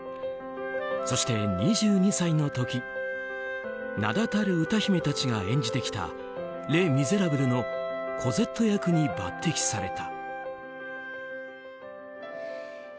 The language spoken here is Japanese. そして、２２歳の時名だたる歌姫たちが演じてきた「レ・ミゼラブル」のコゼット役に抜擢された。